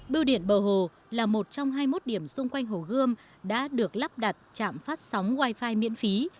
điều điện bờ hồ là một trong hai mươi một điểm xung quanh hồ gươm đã được lắp đặt chạm phát sóng wi fi miễn phí